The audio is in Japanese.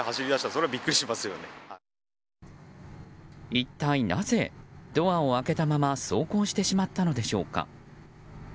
一体なぜ、ドアを開けたまま走行してしまったのでしょうか。